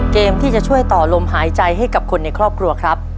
เกมที่จะช่วยต่อลมหายใจให้กับคนในครอบครัวครับ